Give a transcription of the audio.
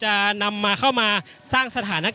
อย่างที่บอกไปว่าเรายังยึดในเรื่องของข้อ